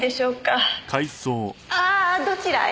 ああどちらへ？